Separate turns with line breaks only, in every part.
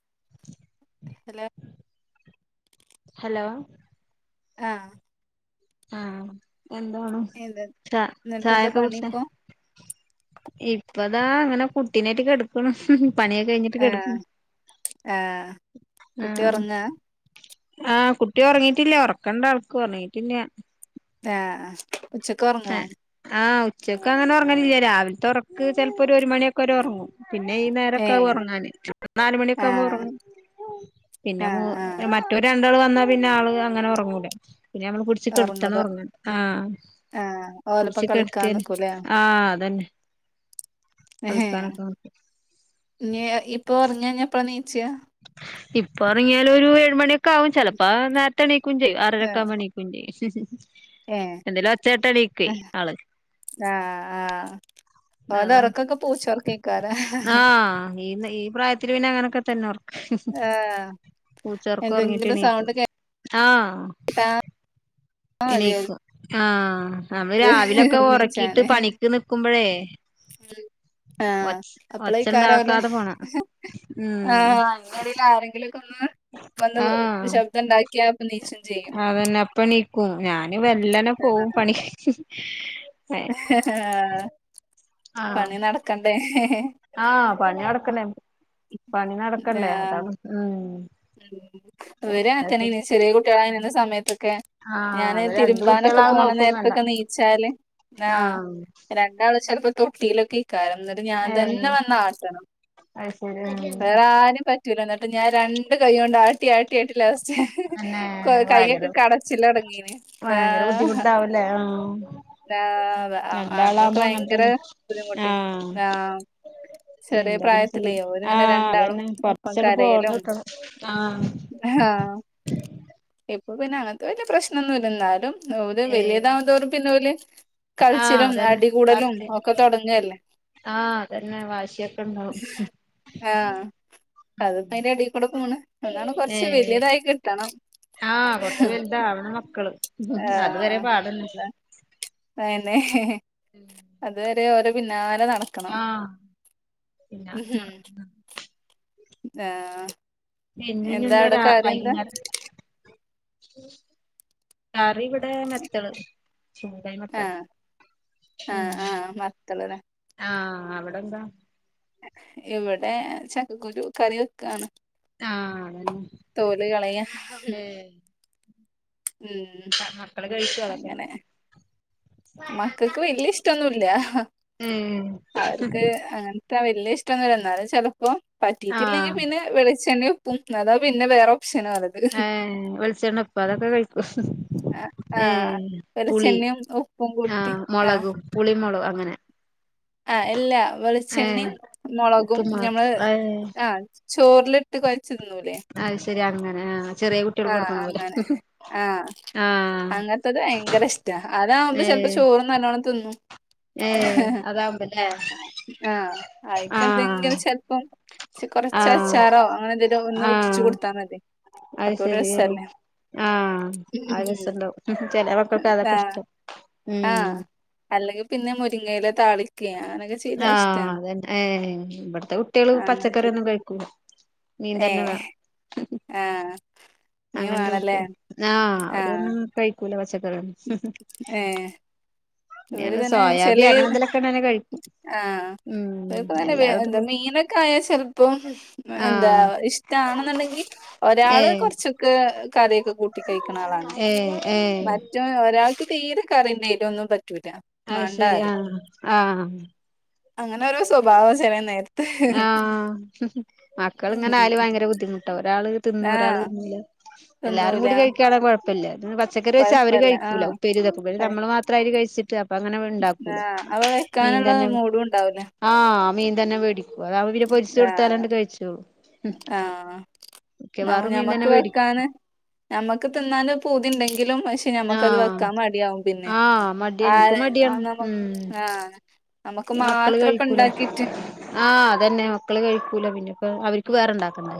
[unintelligible]
Hello
hello
ആ.
ആ എന്താണ്
എന്ത്
ച്ച
എന്നിട്ട് എന്താ
ചായൊക്കെ
പണി
കുട് ച്ച.
ഇപ്പൊ
ഇപ്പതാ അങ്ങനെ കുട്ടിനെറ്റ് കെട്ക്.. ഉം ഹ് ഹും പണിയൊക്കെ കഴിഞ്ഞിട്ട് കെട്ക്കും
ആഹ് ആഹ്
ആ.
കുട്ടി ഉറങ്ങാ
ആ കുട്ടി ഒറങ്ങീട്ടില്ല്യേ ഒർക്കണ്ട് അവള്ക്ക് ഒറങ്ങീട്ടില്യ.
ഏ ഹ് ഉച്ചക്കൊറങ്ങോ.
ആ ഉച്ചക്ക് അങ്ങനെ ഒറങ്ങലില്യ രാവിൽത്ത ഒറക് ചെൽപോ ഒര് ഒര്മണി ഒക്കെരെ ഒറങ്ങും. പിന്നെ ഈ നേരോക്കാകും
ഏഹ്
ഓറങ്ങാൻ നാല്മണി ഒക്കെ ആകുമ്പോ
ആഹ്
ഒറങ്ങും. പിന്നെ മു
ആഹ് ആഹ്
മ.. മറ്റൊര് രണ്ടാളും വന്നാ പിന്നെ ആള് അങ്ങനെ ഒറങ്ങൂല പിന്നെ ഞമ്മള് പിട്ച് കെട്ത്തണം ഒറങ്ങാൻ.
ആ.
പുട്ച് കെട്ത്തിയാൽ ആ അതന്നെ. കളിക്കാനൊക്കെ നോക്യാ.
ഞ് ഇപ്പൊ ഒറങ്ങിയാ ഞ്. എപ്പളാ നീച
ഇപ്പൊ ഒറങ്ങിയാൽ ഒരു എഴുമണിയൊക്കെ ആകും ചെലപ്പോ നേരത്തെ എണീക്കും ചെയ്യും ആറരക്കാകുമ്പോ എണീക്കും. [unintelligible]
ഏ
എന്തേലും ഒച്ചേട്ട എണീക്കുവേ
അഹ്
ആള്
ആ ആ. ഓൻ്റെ
അതാണ്
ഒർക്കൊക്കെ പൂച്ചോർകെകാരം.
ആഹ് ഈ ന്ന ഈ പ്രായത്തില് പിന്നെ അങ്ങനൊക്കെതന്നെ ഒറക്.
ആഹ്
പൂച്ചോർക്ക് ഒറങ്ങീട്ട്
എന്തെങ്കിലും
എണീക്കും
സൗണ്ട് കേട്ടാ
ആ.
മതി
എണീക്കും ആഹ്. നമ്മള്
ഓൽക്ക്
രാവിലൊക്കെ ഓർകീട്ട്
നീച്ചാന്
പണിക്ക് നിക്കുപോയ്.
ആഹ്
ഒച്
അപ്പളേക്കാരം
ഒച്ചണ്ടാക്കാത
ഓലെ
പോണം.
പെരീല് ആരെങ്കിലോക്കൊന്ന് വന്ന് ശബ്ദണ്ടാക്കിയ അപ്പം നീച്ചും ചെയ്യും.
അതെന്നെ അപ്പഎണീക്കും ഞാൻ വെല്ലനെ പോകും പണി..
ഹേ ഹേ ആഹ്
ആഹ്
പണി നടക്കണ്ടേ..
ആഹ് പണി നടക്കണ് പണി നടക്കണ്ടേ
ആഹ്
അതാണ് ഉം..
ഉം ഇവര് അങ്ങനെതന്നെ യെയ്ന്ന് ചെറിയ കുട്ടികള യ്ന്നാ സമയത്തൊക്കെ..
ആഹ്
ഞാാന്
അത് രണ്ട്
തിരുമ്പാനൊക്കെ
കുട്ടികളാവും
പോണ
നോക്കും വേണ്ട
നേരത്തൊക്കെ നീ.. ച്ചാല് ആഹ് രണ്ടാള് ചെലപ്പോ തൊട്ടിയിലൊക്കെ.. കാരം എന്നിട്ട് ഞാൻ തന്നെ വന്ന് ആട്ടണം..
അഹ് ശെരി അ..
വേറെ ആരും പറ്റൂല ന്നെട്ട് ഞാൻ രണ്ട് കൈ കൊണ്ട് ആട്ടി ആട്ടി.. ആട്ടി ആട്ടി ല്ലാസ്റ്റ്
പിന്നെ ഭയങ്കര
കൈയൊക്കെ കടച്ചില്ല് തുടങ്ങീന്..
ബുന്ധി മുട്ടവല്ലേ.. ഉം..
ആഹ് അന്നൊക്കെ ഭയങ്കര
തന്നെ
ബുദ്ധിമുട്ട്
ആഹ്
യെന്ന്.. ചെറിയ
എന്താ പിന്നെ ചെയ്യ
പ്രായത്തിലെ ഒരിങ്ങനെ
ആഹ്
രണ്ടാളും
അതന്നെ
ഒപ്പം
കൊറച്ചട് പോന്ന്
കരയലും
കിട്ടണം ആഹ്
ആഹ് ഇപ്പൊ പിന്നെ അങ്ങനത്തെ വലിയ പ്രശ്നംന്നും ഇല്ല ന്നാലുംഒര്
ഏഹ്
വലിയതാവും തോറും പിന്നെല്..
ആഹ്
കളിച്ചിലും
അതന്നെ
അടികൂടലും
കറക്റ്റ്
ഒക്കെ തെടങ്ങല്ലേ.
ആഹ് അതന്നെ വാശിയൊക്കെണ്ടാവും..
ആഹ് അത്പ്പ അയിന്റെ എടെ കൂടെ പോണ് ഒന്നാണ് കൊറച്ച്
ഏഹ്
വലിയതായി കിട്ടണം.
ആഹ് കൊറച്ചു വെല്‌ താവണ മക്കള് അതു വരെ പാടന്നെ.
അന്നെ അതുവരെ ഓരോ പിന്നാലെ നട
ആഹ് പിന്നെ നടക്കൂലാ
ആഹ്
പിന്നെ ഞ് എന്താ വൈകുന്നേരംത്തിന് കറി ഹ് മത്തള് ചൂടായ മത്തള്
ആഹ്
ഉം
ആഹ് ആഹ് മത്തള് ല്ലേ
ആഹ് അവിടെന്താ
ഇവിടെ ചക്കക്കുരു കറി വെക്കാണ്.
ആഹ് അതന്നെ
തോല് കളയാ
ഏഹ്
ഉം.
മക്കള് കഴിക്കെ അതൊക്കെ.
അങ്ങനെ മക്കൾക്ക് വല്യ ഇഷ്ടൊന്നുല്ല
ഏഹ്
അവർക്ക് അങ്ങനെ. വല്യ ഇഷ്ടംന്ന എന്നാലും ചെലപ്പോ പറ്റിയിട്ടില്ലെങ്കിൽ
ആഹ്
പിന്നെ വിളിച്ചെണം പ്പും അതാ പിന്നെ വേറെ ഓപ്ഷനാ അല്ലത
ഏ വെളിച്ചെണ്ണ ഉപ്പോ അതൊക്കെ കഴിക്കൊ ഏ
ആഹ്
പുളി
വെളിച്ചെണ്ണയും ഉപ്പും കൂട്ടി
ആഹ്
ആഹ്
മുളകും പുളിമുളകും അങ്ങനെ
ആ എല്ലാ വെളിച്ചെണ്ണ
ഏഹ്
മുളകും
ഉപ്പും മാത്രം
നഞമ്മള്
ഏഹ്
ആഹ് ചോറിലിട്ട് കുയച്ച്‌ തിന്നുലെ
അത് ശരിയ അങ്ങനെ ആ ചെറിയ കുട്ടികൾക്ക്
ആഹ്
കൊടുക്കണ പോലെ
അങ്ങനെ ആഹ്
ആഹ്
അങ്ങനത്തത് ഭയങ്കര ഇഷ്ട അതാവുമ്പോ ചിലപ്പോ
ഏഹ്
ചോറ് നല്ലോണം തിന്നും
ഏഹ് അതാവുമ്പല്ലേ
ആഹ്
ആഹ്
ആയിക്കെന്തെങ്കിലും ചെൽ പ്പം കുറച്ച്
ആഹ്
അച്ചാറോ അങ്ങനെ എന്തെങ്കിലും ഒന്ന് ഉറ്റിച്ച്
ആഹ്
കൊടുത്താ മതി
അത്
അപ്പൊ ഒരു
ശെരിയാണ്
രസല്ലേ
ആഹ് ആ രസണ്ടാവും ചില മക്കൾക്ക് അതൊക്കെ
ആഹ്
ഇഷ്ടം ഉം
ആഹ് അല്ലെങ്കിൽ പിന്നെ മുരിങ്ങയിലെ താളി.
ആഹ് അതന്നെ ഏ ഇവിടത്തെ കുട്ടികള് പച്ചക്കറിയൊന്നും കഴിക്കൂല മീൻ
ഏ
തന്നെ വേണം
ആഹ് മീൻ
അങ്ങനത്തെ
വേണല്ലേ
കുട്ടിക ആഹ് അവരൊന്നും കഴിക്കൂല പച്ചക്കറിയെന്നും
ഏ ഇവര് തന്നെ
സോയാബി
ചെലെ
അങ്ങനെ എന്തെലൊക്കെ ഉണ്ടെങ്കി കഴിക്കും
ആഹ്
ഉം
ഇവർക്ക് തന്നെ
എല്ലാതും
ന്താ മീൻ. കായൽ ചെലപ്പം എന്താ
ആഹ്
ഇഷ്ടണെന്നുണ്ടെങ്കിൽ ഒരാള്
ഏഹ്
കൊറച്ചൊക്കെ കറിയൊക്കെ കൂട്ടി കഴിക്ക്ണ ആളാണ്.
ഏ ഏ
മറ്റും ഒരാൾക്ക് തീരെ കറിം നീരും ഒന്നും പ
അ ശരി ആഹ് ആഹ്
അങ്ങനെ ഒരു സ്വഭാവ ചെലനെർത്
ആഹ് മക്കള ഇങ്ങനെ ആയല്
ഉം
ഭയങ്കര ബുദ്ധിമുട്ടാ ഒരാള് തിന്നു ഒരാള്
ആഹ്
തിന്നല എല്ലാരും
തിന്നൂല
കൂടി കഴിക്കാണാൻ കുഴപ്പല്ല പച്ചക്കറി വെച്ചാ അവര്
കൊഴപ്പല്ല
കഴിക്കൂല
ആഹ്
ഉപ്പേരിതക്കും നമ്മള് മാത്രംര് കഴിച്ചിട്ട് അപ്പൊ അങ്ങനെ ഉണ്ടാക്കൂല
അപ്പം വെക്കാനുള്ള മൂഡും ഉണ്ടാവൂല
ആഹ് മീൻ തന്നെ മേടിക്കൂ അതാവുമ്പൊ പിന്നെ പൊരിച്ചു
ആഹ്
കൊടുത്താലണ്ട് കഴിച്ചോളൂ
ആഹ്
ക്കെ
നമ്മ
വേറെ മീൻ
ഞമ്മക്ക്
തന്നെ മേടിക്കും
വെക്കാന് ഞമ്മക്ക് തിന്നാന് പൂതിണ്ടെങ്കിലും പക് ഞമ്മക്കത്
ആഹ്
വെക്കാൻ മടിയാവും പിന്നെ
ആഹ് മടിയാ
ആ
എനിക്കും മടിയാണ് ഉം
നമ്മക്ക് ആഹ് നമുക്ക്
ഈ മക്കള്
മാത്രം ഇപ്പം
കഴിക്കൂല
ഉണ്ടാക്കിയിട്ട്
ആഹ് അതന്നെ മക്കള് കഴിക്കൂല പിന്നെ ഇപ്പ അവർക്ക്
ആഹ്
വേറെണ്ടാക്കണ്ടേ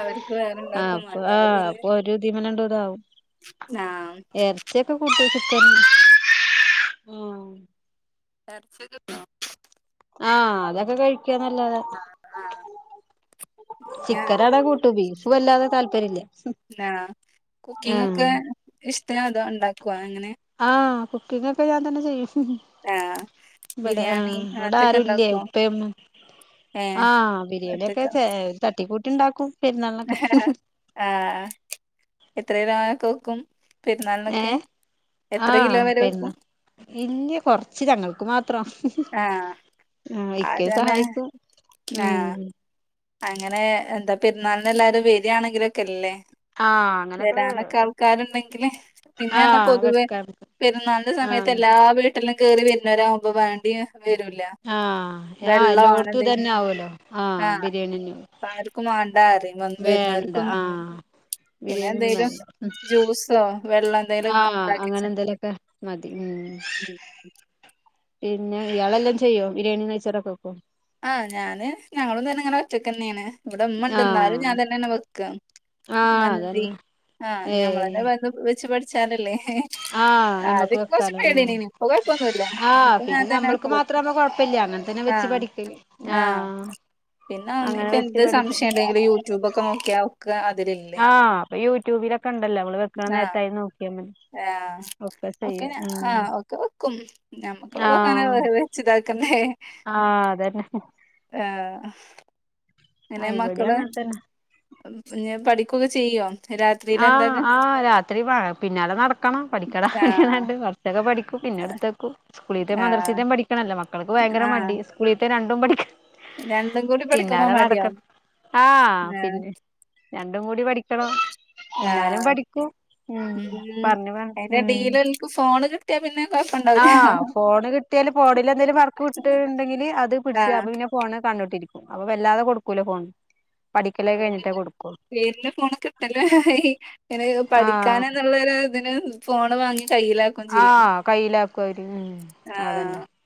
അവർക്ക് വേറെണ്ടാക്കും
ആപ്പൊ
മാണ്ട അത്
ആഹ്
പിന്നെ
അപ്പൊ ഒരുധീമന ണ്ട് ഇത് ആവും
ആഹ്
ഇറച്ചിയൊക്കെ കൂട്ടച്ചിട്ട
എറച്ചിക്ക് [inaudible]
ആഹ് അതൊക്കെ കഴിക്കാന്നല്ലാതെ
ആഹ് ഞാ
ചിക്കനാണെ കൂട്ടും ബീഫ് വല്ലാതെ താല്പര്യം ഇല്ല
എന്നാ കുക്കിംഗ് ഒക്കെ ഇഷ്ടാണോ അതോ ഉണ്ടാക്കുവോ അങ്ങനെ
ആഹ് കുക്കിംഗ് ഒക്കെ ഞാൻ തന്നെ ചെയ്യും
ആഹ്.
വിടെ
ബിരിയാണി
ആഹ് ഇവിടെ
അങ്ങനത്തൊക്കെ
ആരും ഇല്ലേ
ഉണ്ടാക്കോ?
ഉപ്പയും ഉമ്മയും
ഏഹ്
ആഹ് ബിരിയാണിയൊക്കെ
അങ്ങനത്തൊക്കെ
തട്ടിക്കൂട്ടി ഉണ്ടാക്കും പെരുന്നാളിനൊക്കെ
ആഹ് എത്ര കിലോനൊക്കെ വെക്കും പെരുന്നാൾ
ഏ
നൊക്കെ എത്ര കിലോ വരെ വെക്കും
ഇല്ല്യ കൊറച്ച് ഞങ്ങൾക്ക് മാ ത്രം
ആഹ്
ആഹ് ഇക്കെയും
അതന്നെ
സഹായിക്കും ഉം
ആഹ് അങ്ങനെ എന്താ പെരുന്നാളിനെല്ലാരും വരികയാണെങ്കിൽ ഒക്കെ എല്ലേ
ആ അങ്ങനൊക്കെ
വരാനൊക്കെ ആൾക്കാരുണ്ടെങ്കില് പിന്നെ
ആ
പറഞ്ഞാ പൊതുവേ
വെക്കാറ്
പെരുന്നാളിന്റെ സമയത്ത്
ആഹ്
എല്ലാ വീട്ടിലും കേറി വരുന്ന വരാവുമ്പൊ വേണ്ടിയും വരൂല്ല
ആഹ് ആ എല്ലോട്ത്തും ഇതന്നെ ആവൊല്ലോ ആഹ് ബിരിയാണി തന്നെ
അപ്പം ആർക്കും വാണ്ടാ പറയും വന്ന് വരുന്നവർക്കൊന്നും
ആഹ്
പിന്നെ
ബിരിയാണിയൊന്നും
എന്തേലും
വേണ്ട
ജ്യൂസ് സോ വെള്ളം എന്തേലും
ആഹ്
ഉണ്ടാക്കി
അങ്ങനെ
വെച്ചിട്ടുണ്ട്.
എന്തേലുമൊക്കെ മതി ഉം
ഉം
പിന്നെ ഇയാളെല്ലാം ചെയ്യോ ബിരിണിയും നെയ്ചോറ് ഒക്കെ വെക്കോ
ആ ഞാന് ഞങ്ങളും ഇതന്നെ ഇങ്ങനെ ഒറ്റയ്ക്കന്നേണ് ഇവിടെ ഇമ്മണ്ട് എന്നാലും
ആഹ്
ഞാൻ തന്നെണ് വെക്കാ
ആഹ്
മന്തി
അതന്നെ
ആഹ് ഞമ്മള്
ഏഹ്
തന്നെ വെ ത് വെച്ച് പഠിച്ചാലല്ലേ
ആഹ് നമ്മക്ക്
ആദ്യം കുറച്ച്
വെക്കാലോ ഉം
പേടിന്നെയ്നി ഇപ്പൊ കുഴപ്പൊന്നും ഇല്ല ഇപ്പം ഞാൻ തന്നെ പോകും
അത്രയാവുമ്പോ കുഴപ്പമില്ല അങ്ങനെ തന്നെ വെച്ച് പഠിക്കല്
ആഹ് പിന്നെ
അങ്ങനെ
ഇപ്പ
വെച്ച്
എന്ത്
പഠിക്കും
സംശയം ഉണ്ടെങ്കില് യൂട്യൂബ ഒക്കെ നോക്കിയ ഒക്കെ അതില് ഇല്ലേ
ആഹ് അപ്പൊ യൂട്യൂബിലൊക്കെ ഉണ്ടല്ലോ നമ്മള് വെക്കാൻ
ആഹ്
നേരത്ത് അതിൽ നോക്കിയാമതി
ആഹ് ഒക്കെ ഞ ആഹ് ഒക്കെ വെക്കും ഞമ്മുക്കുള്ള വെക്കാനാ
ആഹ്
[unintelligible] വെച്ച് ഇതാക്ക്ന്നേ
ആഹ് അതന്നെ
ആഹ് എങ്ങനെ
ആഹ് ഇവിടേം
മക്കള്
അങ്ങൻതന്നെ
പിന്നേ പഠിക്കൊക്കെ ചെയ്യോ രാത്രിയില്
ആഹ്
എന്തൊക്കെ
ആ രാത്രി വ് പിന്നാലെ നടക്കണം പഠിക്കട
ആഹ്
പറഞ്ഞിക്കാണ്ട് കുറച്ചൊക്കെ പഠിക്ക പിന്നെ എട്ത്തേക്കും. സ്കൂളീത്തെ
ആഹ്
മദ്റസീത്തെ പഠിക്കണല്ലോ മക്കൾക്ക് ഭയങ്കര
ആഹ്
മടി സ്കൂളീത്തെ രണ്ടും പഠിക്ക
രണ്ടും കൂടി പഠിക്കുമ്പോ
പിന്നാലെ നടക്കും
മടിയാവും
ആഹ് പിന്നെ രണ്ടും കൂടി പഠിക്കണം എന്നാലും
ആഹ്.
പഠിക്കും
ഉം.
പറഞ്ഞു പറ ഉം
അയിന്റെടീല്ഓൽക്ക് ഫോണ് പിന്നെ കൊഴപ്പണ്ടാവൂല
ആഹ്, ഫോണ് കിട്ടിയാല് ഫോണിൽ എന്തേിലും വർക്ക് വിട്ട് ണ്ടെങ്കിങ്കില് അത് പിടിച്ച
ആഹ്
അപ്പപിന്നെ ഫോണ് കണ്ടോട്ടിരിക്കും. അപ്പൊ വല്ലാതെ കൊടുക്കൂല ഫോണ്.
അതന്നെ പേരിന്റെ ഫോൺ കിട്ടലൂ ആയി. പിനെ പഠിക്കാന
ആഹ്
ന്ന് ത് വരെ തിനു ഫോണ് വാങ്ങി കയ്യിലാ
ആഹ്.. കയ്യിലാക്കു വര് ഉ അതന്നെ
ആഹ്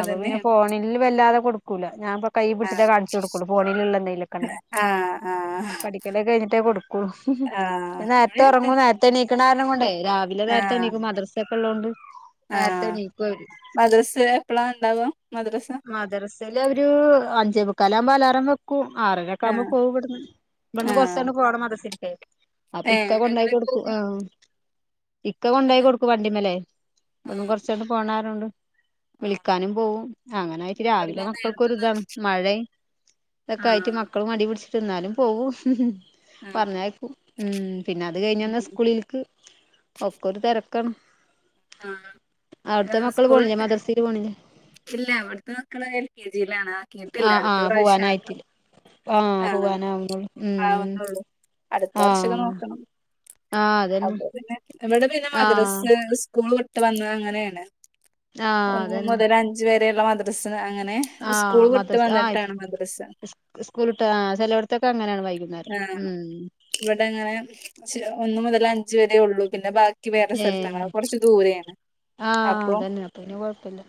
അപ്പൊ പിന്നെ
അതന്നെയാണ്
ഫോണില് വല്ലാതെ കൊടുക്കൂല. ഞാൻ കൈ പിടിച്ചിട്ടേ
ആഹ്
കാണിച്ചെടുക്കുള്ളു. ഫോണിലുള്ള എന്തങ്കിലൊക്കെ ണ്ടെ
ആഹ് ആഹ്
പഠിക്കലൊക്കെ കഴിഞ്ഞിട്ടേ കൊടുക്കൂ ള്ളു. ഹ് ഹ്,
ആഹ്
പിന്നെ
ഇവടിം
നേര്ത്തെ ഉറങ്ങൂ,
അങ്ങൻതന്നെ
നേര്ത്തെ ണിക്കണ കാരണം കൊണ്ടേ, രാവിലെ നേരത്തെ
ആഹ്
എണീക്കും. മദ്രസ ഒക്കെ ഉള്ളതോണ്ട്. നേരത്തെ
ആഹ്
ണീക്കും അവര്
മദ്രസ് എപ്പളാ ണ്ടാവ മദ്രസ
മദ്രസേൽ അവര് അഞ്ചെ ബ മുക്കാലാവകുമ്പോ അലാറം വെ ആറര ഒക്കെ ആവുമ്പോ
ആഹ്
പോവും വിടന്ന്. ഇവിടന്ന്
ആഹ്
കൊറച്ചാണ്ട് പോകണം മദ്രസക്ക്. അപ്പൊ,
ഏഹ്
ഇക്ക കൊണ്ടോ
അങ്ങനെ
യാക്കി കൊടുക്കും.
പോകാ
ആഹ്.. ഇക്ക കൊണ്ടായി
ആഹ്
കൊടുക്കും. വണ്ടിമലേ ഇവിടന്ന് കൊറച്ചാട് പോണായതൊണ്ട
ആഹ്
വിളിക്കാനും പോവും. അങ്ങനെ ആയിട്ട് രാവിലെ മക്കൾക്കൊരുതാണ്. മഴയും ഇതൊക്കെ ആയിട്ട് മ
ആഹ്
ഇപ്പ മടി പിടിച്ചിട്ട് ന്നാലും പോകും
ആഹ്
പറഞ്ഞയക്കും. ഉം പിന്നെ അത് കഴിഞ്ഞന്ന സ്കൂളിലക്ക് ഒക്കെ ഒരു തെരക്കാണ്.
ആഹ്
അവിടുത്തെ
ഏഹ്
മക്കള്
സ്കൂൾ
പോണില്ലേ?
ട്ട്
മദ്രസ ല് പോണില്ലേ?
ഇല്ല വട്ത്തെ മക്കള് എൽ കെ ജി ലാണ് ക്കിട്ടില്ല,
ആഹ്
അടുത്ത
ആഹ്
പ്രാവശ്യ ആക്ക.
പോവാനായിട്ടില്ല ആഹ്
ഹാ
പോവാനാവുന്നുള്ളൂ ഉം
ആവ്ണുള്ളു. അടുത്ത വർഷം ഒക്കെ
ആഹ്
നോക്കണം.
ആഹ് അതന്നെ
അപ്പ പിന്നെ, ഇവിടെ പിന്നെ
ആഹ്
മദ്രസ്. സ്കൂൾ വിട്ട് വന്നാ അങ്ങനെയാണ്
ആഹ്
ഒന്ന്
അതന്നെ
മുതൽ അഞ്ചു വരെയുള്ള മദ്രസ്ന് അങ്ങനെ.
ആഹ്
സ്കൂള് വിട്ട് വന്നിട്ടാണ് മദ്രസ
സ്കൂള് വിട്ട്, ആഹ് ചെലോട്ലത്തൊക്കെ അങ്ങനെയാണ്. വൈകുന്നേരം.
ആഹ്
ഉം..
ഇവിടെ അങ്ങനെ ഒന്നു മുതൽ അഞ്ച വരെ ഉള്ളൂ. പിന്നെ ബാക്കി ക്കി വേറെ സ്ഥലത്താണ്.
ഏഹ്
അത് കൊറച്ച് ദൂരെയാണ്.
ആഹ്
അപ്പൊ,
അതന്നെ പിന്നെ കൊഴപ്പല്ല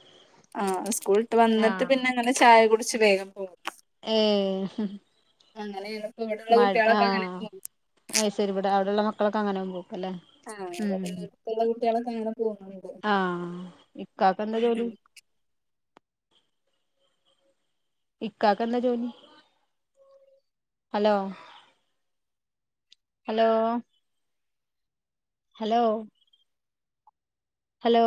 ആഹ്, സ്കൂൾ ട്ട് വന്നിട്ട്
ആഹ്
പിന്നെ, അങ്ങനെ ചായ കുടിച്ച് വേഗം
ഏഹ്..
അങ്ങനെണ്. പ്പം ഇവിടെള്ള കുട്ടികളൊക്കെ അങ്ങനെ ണ്
അഅ് ശരി. വടെ അവിടെള്ള മക്കളൊക്കെ അങ്ങനെ വും പോക്കല്ലേ?
ആഹ് ഇവിടെള്ള
മ്‌ഹ്..
അടുത്തുള്ള കുട്ടികളൊക്കെ അങ്ങനെ പോകുന്നുണ്ട്
ആഹ്.. ഇക്കക്കെന്താ ജോലി? ഇക്കക്കെന്താ ജോലി? Hello.. hello.. hello hello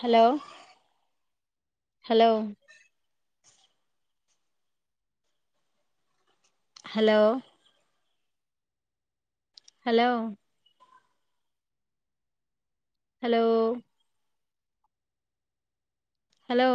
hello.. hello.. hello.. hello.. hello.. hello..